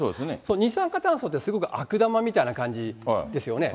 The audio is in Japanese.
二酸化炭素ってすごく悪玉みたいな感じですよね。